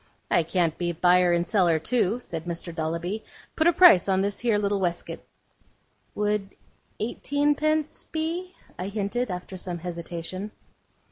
'I can't be buyer and seller too,' said Mr. Dolloby. 'Put a price on this here little weskit.' 'Would eighteenpence be?' I hinted, after some hesitation.